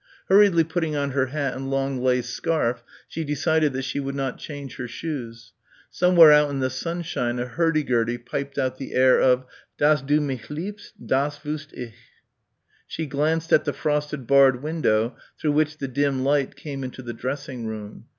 Hurriedly putting on her hat and long lace scarf she decided that she would not change her shoes. Somewhere out in the sunshine a hurdy gurdy piped out the air of "Dass du mich liebst das wusst ich." She glanced at the frosted barred window through which the dim light came into the dressing room.